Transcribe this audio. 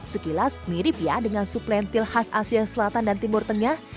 sekilas mirip ya dengan sup lentil khas asia selatan dan timur tengah